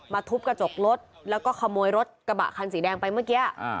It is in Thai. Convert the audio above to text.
ทุบกระจกรถแล้วก็ขโมยรถกระบะคันสีแดงไปเมื่อกี้